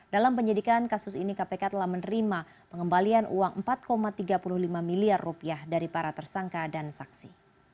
dalam penyidikan kasus ini kpk telah menerima pengembalian uang empat tiga puluh lima miliar rupiah dari para tersangka dan saksi